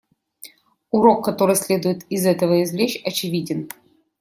Урок, который следует из этого извлечь, очевиден.